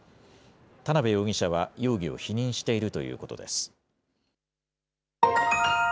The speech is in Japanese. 田辺容疑者は容疑を否認しているということです。